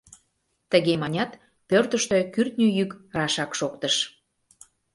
— Тыге манят, пӧртыштӧ кӱртньӧ йӱк рашак шоктыш.